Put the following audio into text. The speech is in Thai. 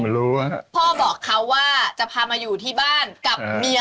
รู้ว่าพ่อบอกเขาว่าจะพามาอยู่ที่บ้านกับเมีย